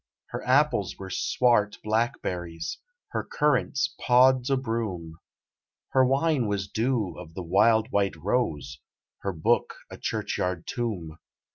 RAINBOW GOLD Her apples were swart blackberries, Her currants pods o' broom; Her wine was dew of the wild white rose, Her book a churchyard tomb.